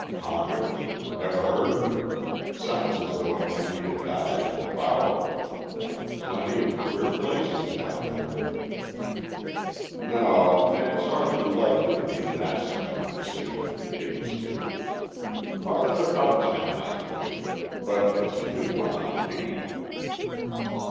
"Conner's? Never heard of it. Sounds as though it might be a dive in the Bowery. Plenty of queer places down there." "No, it's hardly likely to be in that section of the city," Dave stated. "Farther uptown, I think. But it's a new one on me."